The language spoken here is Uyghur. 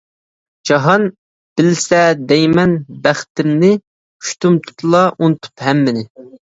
جاھان بىلسە دەيمەن بەختىمنى، ئۇشتۇمتۇتلا ئۇنتۇپ ھەممىنى.